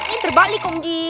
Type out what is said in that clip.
ini terbalik om giu